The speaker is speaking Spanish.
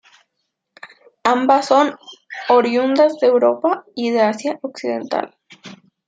Ambas son oriundas de Europa y de Asia occidental.